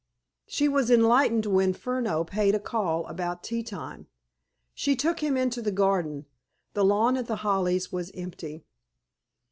She was enlightened when Furneaux paid a call about tea time. She took him into the garden. The lawn at The Hollies was empty.